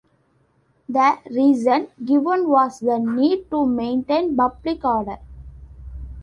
The reason given was the need to maintain public order.